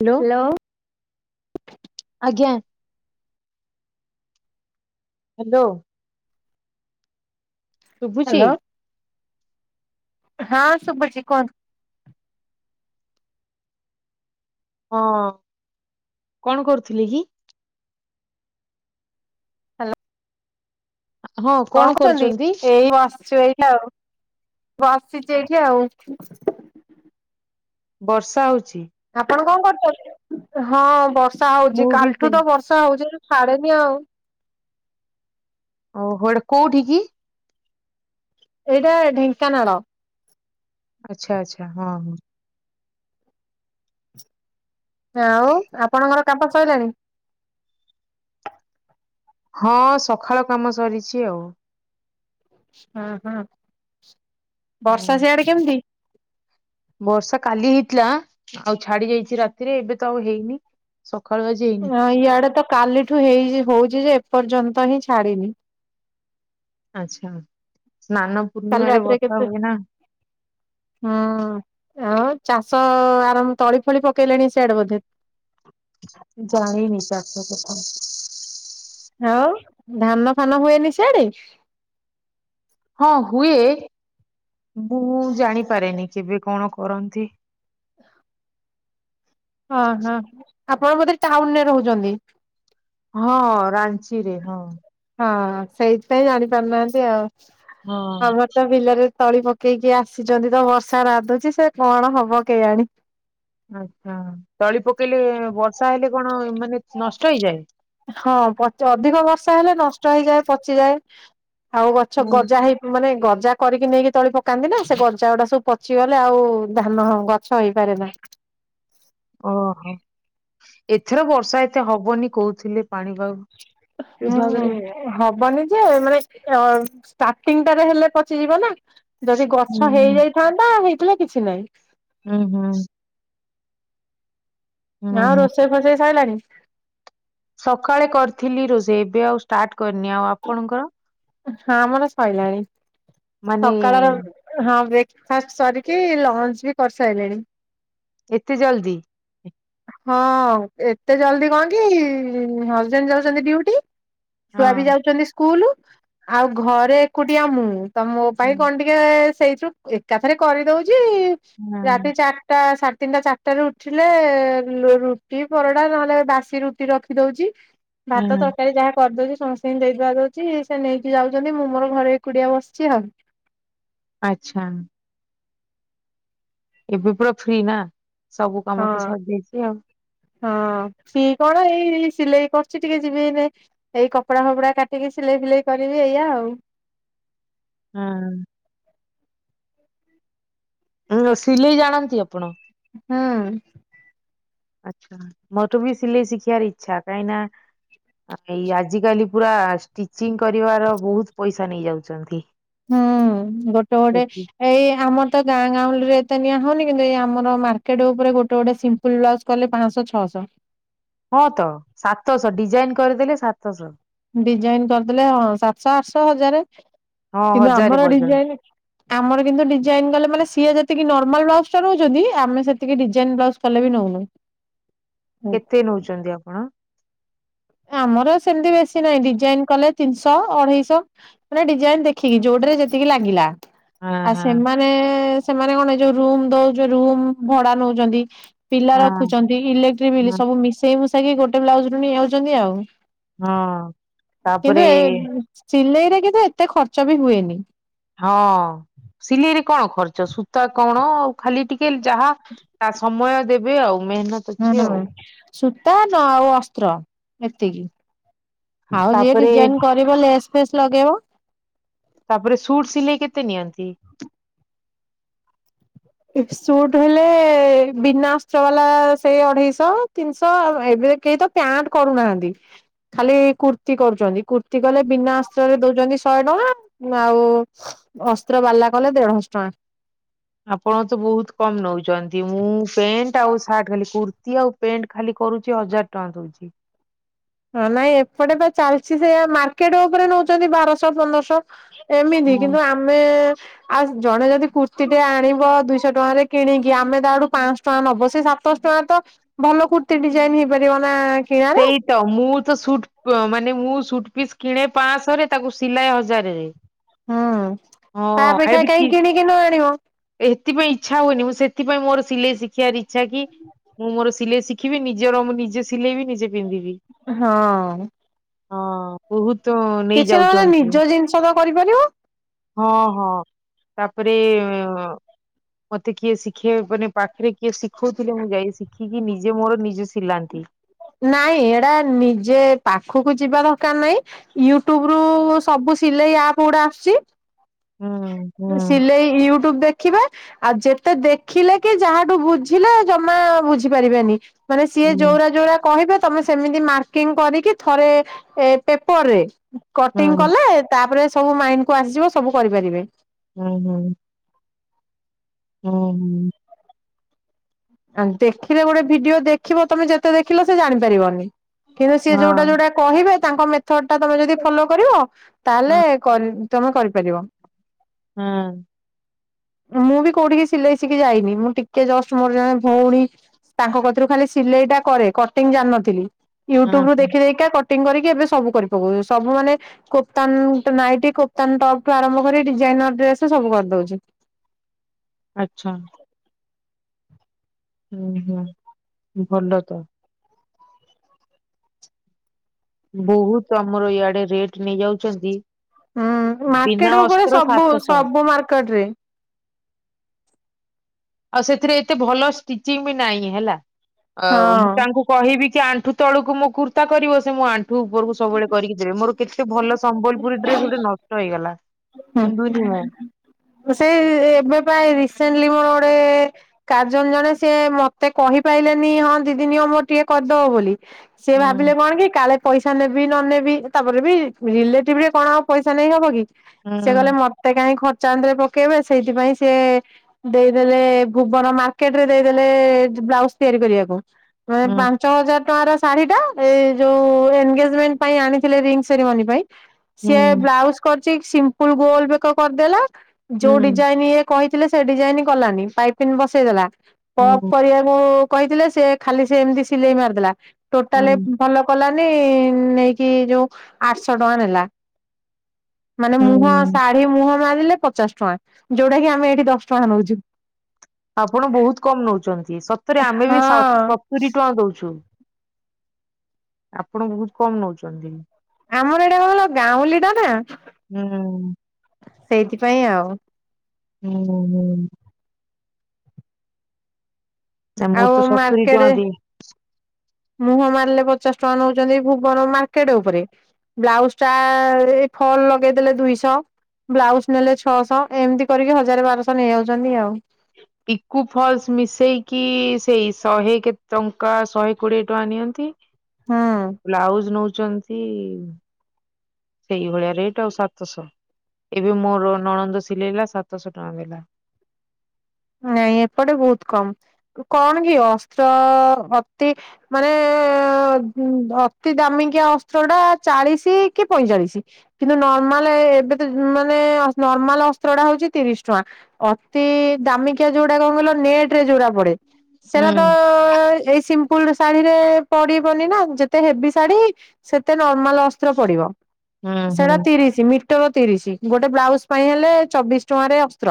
Hello hello. ଆଜ୍ଞା। Hello. ଶୁଭୁଛି hello ହାଁ ଶୁବୁଚି କହନ୍ତୁ? ହଁ କଣ କରୁଥିଲି କି? ହାଲୋ। ହଁ କଣ କରୁଚନ୍ତି କରୁଛନ୍ତି? ଏଇ ବସିଚୁ ଏଇଠି ଆଉ ବସିଚି ଏଇଠି ଆଉ। ବର୍ଷା ହୋଉଚି। ଆପଣ କଣ କରୁଚନ୍ତି ହଁ ବର୍ଷା ହୋଉଚି ମୁଁ ବି ସେ କାଲିଠୁ ତ ବର୍ଷା ସହଜରେ ଛାଡେନି ଆଉ। ଓହୋ ଏଟା କୋଉଠିକି? ଏଇଟା ଢେଙ୍କାନାଳ। ଆଚ୍ଛା ଆଚ୍ଛା ହଁ। ଆଉ ଆପଣଙ୍କର କାମ ସଇଲାଣି? ହଁ ସକାଳ କାମ ସରିଚି ଆଉ। ହଁ ହଁ ହଁ ବର୍ଷା ସିଆଡେ କେମିତି? ବର୍ଷା କାଲି ହେଇଥିଲା ଆଉ ଛାଡି ଯାଇଚି ରାତିରେ ଏବେ ତ ଆଉ ହେଇନି। ସକାଳୁ ଆଜି ହେଇନି। ନା ଆଉ ଇଆଡେ ତ କାଲିଠୁ ହେଇଚି ହୋଉଚି ଯେ ଏପର୍ଯ୍ୟନ୍ତ ହିଁ ଛାଡିନି। ଆଛା ସ୍ନାନ କାଲି ପୂର୍ଣ୍ଣିମାରେ ରାତିରେ ବର୍ଷା କେତେ ହୁଏ ନା ହଁ ଆଉ ଚାଷ ଆରମ୍ଭ ତଳି ଫଳି ପକେଇଲେଣି ସିଆଡେ ବୋଧେ? ଜାଣିିନି ଚାଷ କଥା। ଆଉ ଧାନ ଫାନ ହୁଏନି ସିଆଡେ? ହଁ ହୁଏ ମୁଁ ଜାଣିପାରେନି କେବେ କଣ କରନ୍ତି? ହ ଅହ ଆପଣ ବୋଧେ ଟାଉନରେ ରହୁଚନ୍ତି? ହଁ ରାଞ୍ଚିରେ ହଁ। ହଁ ସେଇଥିପାଇଁ ଜାଣିପାରୁନାହାନ୍ତି ଆଉ ହଁ ପ୍ ତ ବିଲରେ ତଳି ପକେଇକି ଆସିଚନ୍ତି ତ ବର୍ଷା ନାଦୁଚି ସେ କଣ ହବ କେଜାଣି। ୍ଁ ଆଛା ତଳି ପକେଇଲେ ବର୍ଷା ହେଲେ କଣ ମାନେ ନଷ୍ଟ ହେଇଯାଏ? ହଁ ପଚ ଅଧିକ ବର୍ଷା ହେଲେ ନଷ୍ଟ ହେଇଯାଏ ପଚିଯାଏ। ଆଉ ଗଛ ହୁଁ। ଗଜା ହେଇ ମାନେ ଗଜା କରିକି ନେଇକି ତଳି ପକାନ୍ତି ନା ସେ ଗଜା ଗୁଡା ସବୁ ପଚିଗଲେ ଆଉ ଧାନ ଗଛ ହେଇପାରେନା। ଓହୋ ଏଥର ବର୍ଷା ଏତେ ହବନି କହୁଥିଲେ ପାଣି ବାୟୁ ଉଁ ଉଁ ଉଁ। ହବନି ଯେ ମାନେ ଅ ଷ୍ଟାର୍ଟିଂଟାରେ ହେଲେ ପଚିଯିବ ନା। ଯଦି ଗଛ ହୁଁ। ହେଇଯାଇଥାନ୍ତା ହେଇଥିଲେ କିଛି ନାହିଁ। ହୁଁ ହୁଁ। ହୁଁ ଆଉ ହୁଁ ରୋଷେଇ ଫୋସେଇ ସଇଲାଣି? ସକାଳେ କରିଥିଲି ରୋଷେଇ ଏବେ ଆଉ ଷ୍ଟାର୍ଟ କରିନି ଆଉ ଆପଣଙ୍କର? ହଁ ଆମର ସଇଲାଣି ମାନେ ସକାଳର ହଁ ବ୍ରେକଫାଷ୍ଟ ସରିକି ଲଞ୍ଚ ବି କରିସାଇଲେଣି। ଏତେ ଜଲ୍ଦି? ହଁ ଏତେ ଜଲଦି କଣ କି ହଜବେଣ୍ଡ ଯାଉଚନ୍ତି ଡ଼ିଉଟି ଛୁଆ ବି ହଁ। ଯାଉଚନ୍ତି ସ୍କୁଲ ଆଉ ଘରେ ଏକୁଟିଆ ମୁଁ ତ ମୋ ହଁ ପାଇଁ କଣ ଟି ଟେ ସେଇଥିରୁ ଏକାଥରେ କରିଦଉଚି ରାତି ହଁ ଚାର ଟା ସାଢେ ତିନିଟା ଚାରିଟାରେ ଉଠିଲେ ରୁଟି ପରଡା ନହେଲେ ବାସି ରୁଟି ରଖି ଦଉଚି ଭାତ ହଁ ତରକାରୀ ଯାହା କରିଦଉଚି ସମସ୍ତେ ସେ ଦେଇଦୁଆ ଦଉଚି ସେ ନେଇକି ଯାଉଚନ୍ତି ମୁଁ ମୋର ଘରେ ଏକୁଟିଆ ବସଚି ଆଉ। ଆଚ୍ଛା। ଏବେ ପୁରା ଫ୍ରି ନା ସବୁ କାମ ହଁ। ତ ସରିଯାଇଚି ଆଉ। ହଁ ଫ୍ରି କଣ ଏଇ ସିଲେଇ କରୁଚି ଟିକେ ଯିବି ଏନେ ଏଇ କପଡା ଫପଡା କାଟିକି ସିଲେଇ ଫିଲେଇ କରିବି ଏଇଆ ଆଉ। ହୁଁ। ହୁଁ ସିଲେଇ ଜାଣନ୍ତି ଆପଣ? ହୁଁ। ଆଛା ମୁଧୁ ବି ସିଲେଇ ଶିଖିବାର ଇଚ୍ଛା କାଇଁ ନା ଏଇ ଆଜିକାଲି ପୁରା ଷ୍ଟିଚିଂ କରିବାର ବହୁତ ପଇସା ନେଇଯାଉଚନ୍ତି। ହୁଁ ଗୋଟେ ଗୋଟେ ଏଇ ଆମର ତ ଗାଁ ଗାଁଉଲେରେ ଏ ତେ ନିଆଁ ହଉନି କିନ୍ତୁ ଏଇ ଆମର ମାର୍କେଟ ଉପରେ ଗୋଟେ ଗୋଟେ ଫୁଲ୍ ବ୍ଲାଉଜ କଲେ ପାଞ୍ଚଶହ ଛଅଶହ। ହଁ ତ ସାତଶହ ଡିଜାଇନ କରିଦେଲେ ସାତଶହ। ଡିଜାଇନ କରିଦେଲେ ହଁ ସାତଶହ ଆଠଶହ ହଜାର ହଁ କିନ୍ତୁ ହଜାରେ ଆମର ପର୍ଯ୍ୟନ୍ତ ଡିଜାଇନ ଆମର କିନ୍ତୁ ଡିଜାଇନ ଗଲେ ମାନେ ସିଏ ଯେତିକି ନର୍ମାଲ ବ୍ଉଜ ଟା ରହୁଛନ୍ତି ଆମେ ସେତିକି ଡିାଇନ ବ୍ଉଜ ତାଲେ ବି ନଉନ। କେତେ ନଉଚନ୍ତି ଆପଣ? ଆମର ସେମିତି ବେଶୀ ନାହିଁ ଡିଜାଇନ କଲେ ତିନିଶହ ଅଢେଇଶହ ମାନେ ଡିଜାଇନ ଦେଖିକି ଯୋଉଟରେ ଯେତିକି ଲାଗିଲା ହଁ ଆଉ ହଁ ସେମାନେ ସେ ସେମାନେ କଣ ଏ ଯୋଉ ରୁମ ଦଉଚ ରୁମ ଭଡା ନଉଚନ୍ତି। ପିଲା ହଁ ରଖୁଛନ୍ତି ଇଲେକ୍ଟ୍ରିକ ବିଲ୍ ହଁ ସବୁ ମିଶେଇ ମୁସେଇକି ଗୋଟେ ବ୍ଲାଉଜ ରୁ ନେଇଯାଉଚନ୍ତି ଆଉ। ହଁ ତାପରେ କିନ୍ତୁ ଏ ସିଲେଇରେ କିନ୍ତ ଏତେ ଖର୍ଚ୍ଚ ବି ହୁଏନି। ହଁ ସିଲେଇରେ କଣ ଖର୍ଚ ସୂତା କଣ ଆଉ ଖାଲି ଟିକେ ଯାହା ତା ସମୟ ଦେବେ ଆଉ ମେହେନତ ହୁଁ ସୂତା ନ ଆଉ ଅସ୍ତ୍ର ଏତିକି। ଆଉ ଯିଏ ତାପରେ ଡିଜାଇନ କରିବ ଲେସ୍ ଫେସ୍ ଲଗେଇବ। ତାପରେ ସୁଟ୍ ସିଲେଇ କେତେ ନିଅନ୍ତି? ସୁଟ୍ ହେଲେ ବିନାସ୍ର ବାଲା ସେଇ ଅଢେଇଶହ। ତିନିଶ ଏବେ କେହି ତ ପ୍ୟାଣ୍ଟ କରୁନାହାନ୍ତି। ଖାଲି କୁର୍ତ୍ତି କରୁଛନ୍ତି କୁର୍ତ୍ତିୀ କଲେ ବିନା ଆସ୍ତ୍ରୀରେ ଦଉଛନ୍ତି ଶହେ ଟଙ୍କା। ଆଉ ଅସ୍ତ୍ର ବାଲା କଲେ ଦେଢଶ ଟଙ୍କା। ଆପଣ ତ ବହୁତ କମ୍ ନଉଛନ୍ତି ମୁଁ ପ୍ୟାଣ୍ଟ ଆଉ ସାର୍ଟ ଖାଲି କୁର୍ତ୍ତୀ ଆଉ ପେଣ୍ଟ ଖାଲି କରୁଚି ହଜାର ଟଙ୍କା ଦଉଛି। ହଁ ନାଇଁ ଏପଟେ ବା ଚାଲିଛି ସେ ମାର୍କେଟ ଉପରେ ନଉଚନ୍ତି ବାରଶହ ପନ୍ଦରଶହ। ଏମିତି ହଁ। କିନ୍ତୁ ଆମେ ଆଉ ଜଣେ ଯଦି କୁର୍ତ୍ତିୀ ଟେ ଆଣିବ ଦୁଇଶହ ଟଙ୍କାରେ କିଣିକି ଆମେ ତା ଆଠୁ ପାଞ୍ଚହ ଟଙ୍କା ନବ ସେ ସାତଶହ ଟଙ୍କା ତ ଭଲ କୁର୍ତ୍ତୀ ଡିଜାଇନ ହେଇପାରିବ ନା କିଣାରେ। ସେଇ ତ ମୁଁ ତ ସୁଟ ମାନେ ମୁଁ ସୁଟ ପିସ୍ କିଣେ ପାଞ୍ଚଶହରେ ତାକୁ ସିଲାଏ ହଜାରରେ। ହୁଁ ହଁ ତାପେକ୍ଷା ଏବେ କି କାହିଁ କିଣିକି ନ ପିନ୍ଧିବ। ଏଥିପାଇଁ ଇଚ୍ଛା ହୁଏନି ମୁଁ ସେଥିପାଇଁ ମୋର ସିଲେଇ ଶିଖିବ ଇଚ୍ଛା କି ମୁଁ ମୋର ସିଲେଇ ଶିଖିବି ନିଜର ମୁଁ ନିଜେ ସିଲେଇ ବି ନିଜେ ପିନ୍ଧିବି। ହଁ। ହଁ ବହୁତ ନେଇ ଯାଉଛନ୍ତି। [unintelligible] କରିପାରିବୁ? ହଁ ହଁ ତାପରେ ମତେ କିଏ ଶିଖିବା ମାନେ ପାଖରେ କିଏ ଶିଖଉଥିଲେ ମୁଁ ଯାଇ ଶିଖିକି ନିଜେ ମୋର ନିଜେ [unintelligible] ନାଇଁ ଏଇଡା ନିଜେ ପାଖକୁ ଯିବା ଦରକାର ନାଇଁ। ୟୁଟ୍ୟୁବ ରୁ ସବୁ ସିଲେଇ ଆପ ଗୁଡା ଆସୁଛି। ହୁଁ ହୁଁ ସିଲେଇ ୟୁଟ୍ୟୁବ ଦେଖିବା। ଆଉ ଯେତେ ଦେଖିଲେ କି ଯାହାଠୁ ବୁଝିଲେ ଜମା ବୁଝି ପାରିବେନାହିଁ। ମାନେ ସିଏ ହୁଁ ଯୋରା ଯୋରା କହିବ ତମେ ସେମିତି ମାର୍କିଂ କରିକି ଥରେ ଏ ପେପର ରେ ହୁଁ କଟିଂ କଲେ ତାପରେ ସବୁ ମାଇଣ୍ଡ କୁ ଆସିଯିବ ସବୁ କରିପାରିବେ। ହୁଁ ହୁଁ। ହୁଁ ହୁଁ। ଆ ଦେଖିଲେ ଗୋଟେ ଭିଡିଓ ଦେଖିବ ତମେ ଯେତେ ଦେଖିଲ ସେ ଜାଣିପାରିବନି। କିନ୍ତୁ ସିଏ ହଁ ଯୋଉଟା ଯୋଉଟା କହିବେ ତାଙ୍କ ମେଥଡ ଟା ତମେ ଯଦି ଫଲୋ କରିବ ତାହେଲେ ହଁ ତମେ କରିପାରିବ। ହଁ। ମୁଁ ବି କୋଉଠିକି ସିଲେଇ ସିିକି ଯାଇନି ମୁଁ ଟିକେ ଜଷ୍ଟ ମୋର ଜଣେ ଭଉଣୀ ତାଙ୍କ କତିରୁ ଖାଲି ସିଲେଇ ଟା କରେ କଟିଂ ଜାଣିନଥିଲି। ୟୁଟ୍ୟୁବ ରୁ ହଁ ଦେଖିଦେଇକା କଟିଂ କରିକି ଏବେ ସବୁ କରି ପକଉଛ ସବୁ ମାନେ କୋପ୍ତାନ ନାଇଟି କୋପ୍ତାନ ଟପ୍ ଟୁ ଆରମ୍ଭ କରି ଡିଜାଇନର ଡ୍ରେସ ସବୁ କରିଦଉଛି। ଆଛା। ହୁଁ ହୁଁ ଭଲ ତ। ବହୁତ ଆମର ଇଆଡେ ରେଟ ନେଇଯାଉଛନ୍ତି। ହୁଁ ମାର୍କେଟ ବିନା ଉପରେ ଅସ୍ତ୍ର ସବୁ ସାତଶହ। ସବୁ ମାର୍କେଟ ରେ ଆଉ ସେଥିରେ ଏତେ ଭଲ ସ୍ତିଚିଙ୍ଗି ବି ନାହିଁ ହେଲା ଆ ମୁଁ ତାଙ୍କୁ କହିବି କି ଆଣ୍ଠୁ ତଳକୁ ମୋ କୁର୍ତ୍ତା କରିବ ସେ ମୁଁ ଆଣ୍ଠୁ ଉପରକୁ ସବୁବେଳେ କରିକି ଦେବେ ମୋର। କେତେ ଭଲ ସମ୍ବଲପୁରୀ ଡ୍ରେସ ଗୋଟେ ନଷ୍ଟ ହେଇଗଲା। ହଁ ପିନ୍ଧୁନି ମୁଁ। ସେଇ ଏବେ ପାଇଁ ରିସେଣ୍ଟଲି ମୋର ଗୋଟେ କାଜନ ଜଣେ ସି ମତେ କହିପାରଲେନି ହଁ ଦିଦିନଅ ମୋର ଟିକେ କରିଦବ ବୋଲି ସିଏ ଭାବିଲେ କଣ କି କାଳେ ପଇସା ନେବି ନ ନେବି ତାପରେ ବି ରିଲେଟିଭ ରେ କଣ ପଇସା ନେଇ ହବ କି ସେ କଲେ ମ ମତେ କାହିଁ ଖର୍ଚା ଆଧରେ ପକେଇବେ ସେଇଥିପାଇଁ ସିଏ ଦେଇଦେଲେ ଭୁବନ ମାର୍କେଟ ରେ ଦେଇଦେଲେ ବ୍ଲାଉଜ ତିଆରି କରିବାକୁ ମାନେ ହୁଁ ଛଅ ହଜାର ଟଙ୍କ ର ଶାଢୀ ଟା ଏଇ ଯୋଉ ଏନଗେଜମେଣ୍ଟ ପାଇଁ ଆଣିଥିଲେ ରିଙ୍ଗ ସେରିମନି ପାଇଁ ସିଏ ବ୍ଲାଉଜ କରିଛି ସିମ୍ପଲ ଗୋଲ ବେକ କରିଦେଲା ଯୋଉ ହୁଁ ହୁଁ ଡିଜାଇନ ଇ କହିଥିଲେ ସେ ଡିଜାଇନି କଲାନି ପାଇପିନ୍ ବସେଇଦେଲା ପପ ହୁଁ କରିବାକୁ କହିଥିଲେ ସିଏ ଖାଲି ସିଏ ଏମିତି ସିଲେଇ ମାରଦେଲା ହୁଁ ଟୋଟାଲେ ଭଲ କଲାନି ନେଇକି ଯୋଉ ଆଠଶହ ଟଙ୍କା ନେଲା। ମାନେ ମୁହଁ ହୁଁ ଶାଢୀ ମୁହଁ ମାରିଲେ ପଚାଶ ଟଙ୍କା ଯୋଉଟା କି ଆମେ ଏଇଠି ଦଶ ଟଙ୍କା ନଉଛୁ। ଆପଣ ବହୁତ କମ ନଉଛନ୍ତି ସତରେ ଆମେ ବି ସ ହଁ ସତୁରୀ ଟଙ୍କା ଦଉଛୁ। ଆପଣ ବହୁତ କମ ନଉଛନ୍ତି। ଆମର ଏଇଟା କଣ କହିଲ ଗାଉଁଲି ଟା ନା ହୁଁ। ସେଇଥିପାଇଁ ଆଉ ହୁଁ ହୁଁ। ନା ମୁଁ ଆଉ ତ ସତୁରି ଟଙ୍କା ମାର୍କେଟେ ଦିଏ ମୁହଁ ମାରିଲେ ପଚାଶ ଟଙ୍କା ନଉଛନ୍ତି ଭୁବନ ମାର୍କେଟ ଉପରେ ବ୍ଲାଉଜଟା ଏଇ ଫଲ ଲଗେଇଦେଲେ ଦୁଇଶହ ବ୍ଲାଉଜ ନେଲେ ଛଅଶହ ଏମିତି କରିକି ହଜାର ବାରଶହ ନେଇଯାଉଛନ୍ତି ଆଉ। ପିକୁ ଫଲ୍ସ ମିଶେଇକି ସେଇ ଶହେ କେତେ ଟଙ୍କା ଶହେ କୋଡ଼ିଏ ଟଙ୍କା ନିଅନ୍ତି ହୁଁ। ଆଉ ବ୍ଲାଉଜ ନଉଛନ୍ତି ସେଇଭଳିଆ ରେଟ ଆଉ ସାତଶହ ଏବେ ମୋର ନଣନ୍ଦ ସିଲେଇଲା ସାତଶହ ଟଙ୍କା ନେଲା। ନାଇଁ ଏପଟେ ବହୁତ କମ କଣ କି ଅସ୍ତ୍ର ଅତି ମାନେ ଉଁ ଅତି ଦାମିକିଆ ଅସ୍ତ୍ର ଟା ଚାଳିଶ କି ପଇଁଚାଳିଶି କିନ୍ତୁ ନର୍ମାଲେ ଏବେ ତ ମାନେ ନର୍ମାଲ ଅସ୍ତ୍ର ଟା ହଉଛି ତିରିଶ ଟଙ୍କା। ଅତି ଦାମିକିଆ ଯୋଉଡା କଣ କହିଲ ନେଟରେ ଯୋଉଡା ପଡେ ସେଟା ତ ହୁଁ ଏଇ ସିମ୍ ଫୁଲ ଶାଢୀରେ ପଡିବନି ନା ଯେତେ ହେଭି ଶାଢୀ ସେତେ ନର୍ମାଲ ଅସ୍ତ୍ର ପଡିବ। ହୁଁ ହୁଁ ସେଟା ତିରିଶି ମିଟର ତିରିଶି ଗୋଟେ ବ୍ଲାଉଜ ପାଇଁ ହେଲେ ଚବିଶ ଟଙ୍କାରେ ଅସ୍ତ୍ର।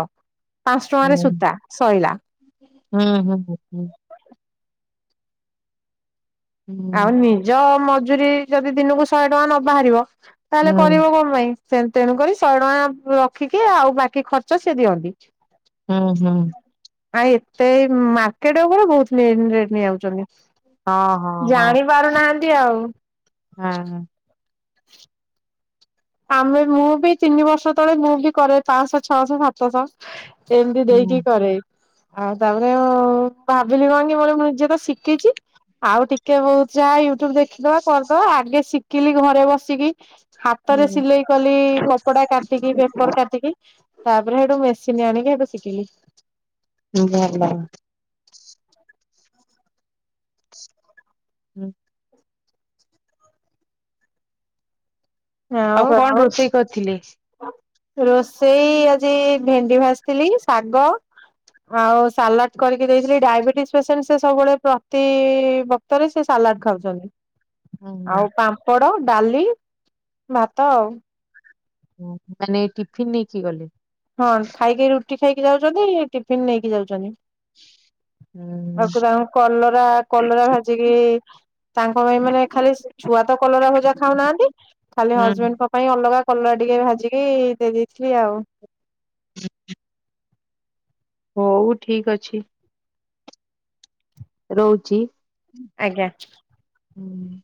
ଟଙ୍କା ରେ ସୂତା ଶଇଲା। ହୁଁ ହୁଁ ହୁଁ ହୁଁ। ଆଉ ନିଜ ମଜୁୁରୀ ଯଦି ଦିନକୁ ଶହେ ଟଙ୍କା ନ ବାହାରିବ ତାହେଲେ କରିବ କଣ ପାଇଁ? ସେ ତେଣୁକରି ଶହେ ଟଙ୍କା ରଖିକି ଆଉ ବାକି ଖର୍ଚ୍ଚ ସିଏ ଦିଅନ୍ତି। ହୁଁ ହୁଁ। ଆ ଏତେ ଏଇ ମାର୍କେଟ ଉପରେ ବହୁତ ଲେଟ୍ ରେଟ ନେଇଯାଉଛନ୍ତି। ହଁ। ହଁ, ଜାଣି ପାରୁନାହାନ୍ତି ଆଉ। ହଁ ହଁ। ଆମେ ମୁଁ ବି ତିନି ବର୍ଷ ତଳେ ମୁଁ ବି କରେ ପାଞ୍ଚଶହ ଛଅଶହ ସା ସାତଶ ଏମିତି ହୁଁ, ଦେଇକି କରେ। ଆଉ ତାପରେ ଉଁ ଭାବିଲି କଣ କି [unintelligible] ମୁଁ ନିଜେ ତ ଶିକିଛି ଆଉ ଟିକେ ବହୁତ ଯାହା ୟୁଟ୍ୟୁବ ଦେଖିଦବା କରିଦବା ଆଗେ ଶିଖିଲି ଘରେ ବସିକି ହାତରେ ହୁଁ, ସିଲେଇ କଲି କ କପଡା କାଟିକି ପେପର କାଟିକି ତାପରେ ହେଇଠୁ ମେସିନ୍ ଆଣିକି ଏବେ ଶିକିଲି। ଭଲ। ହୁଁ। ଆଉ କଣ ରୋଷେଇ କରିଥିଲେ? ରୋଷେଇ ଆଜି ଭେଣ୍ଡି ଭାଜିଥିଲି ଶାଗ ଆଉ ସାଲାଡ କରିକି ଦେଇଥିଲି ଡାଇବେଟିସ୍ ପେସେଣ୍ଟ ସେ ସବୁବେଳେ ପ୍ରତି ବ କ୍ତରେ ସିଏ ସାଲାଡ ଖାଉଛନ୍ତି। ହୁଁ, ଆଉ ପାମ୍ପଡ଼, ଡାଲି ଭାତ ଆଉ। ମାନେ ଟିଫିନ୍ ନେଇକି ଗଲେ। ହଁ ଖାଇକି ରୁଟି ଖାଇକି ଯାଉଚନ୍ତି ଟିଫିନ ନେଇକି ଯାଉଚନ୍ତି। ହୁଁ, ଆକୁ ରା କଲରା କଲରା ଭାଜିକି ତାଙ୍କ ପାଇଁ ମାନେ ଖାଲି ଛୁଆ ତ କଲରା ଭଜା ଖାଉନାହାନ୍ତି। ଖାଲି ହୁଁ, ହଜବେଣ୍ଡ ପାଇଁ ଅଲଗା କଲରା ଟିକେ ଭାଜିକି ଦେଇ ଦେଇେଇଥିଲି ଆଉ। ହଉ ଠିକ୍ ଅଛି। ରହୁଚି। ଆଜ୍ଞା। ହୁଁ।